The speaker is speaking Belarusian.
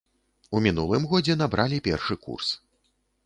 У мінулым годзе набралі першы курс.